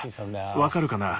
わかるかな？